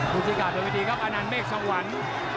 มูทมีเป็นวิธีครับอนันเมฆสวรรค์